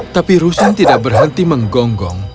tapi rusin tidak berhenti menggonggong